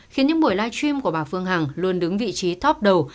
khiến những buổi live stream của bà phương hằng luôn đứng vị trí top đầu